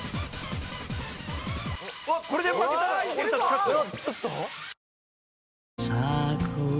これで負けたら俺たち勝つよ！